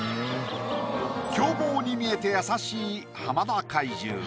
凶暴に見えて優しい浜田怪獣。